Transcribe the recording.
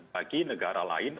bagi negara lain